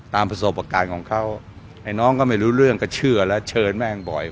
ตามประสบการณ์ของเขาไอ้น้องก็ไม่รู้เรื่องก็เชื่อแล้วเชิญแม่งบ่อย